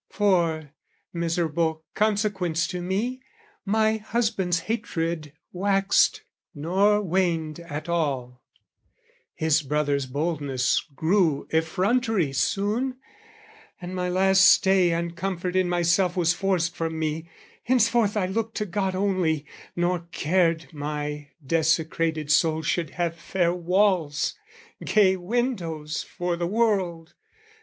For, miserable consequence to me, My husband's hatred waxed nor waned at all, His brother's boldness grew effrontery soon, And my last stay and comfort in myself Was forced from me: henceforth I looked to God Only, nor cared my desecrated soul Should have fair walls, gay windows for the world.